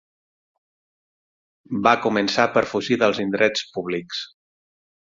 Va començar per fugir dels indrets públics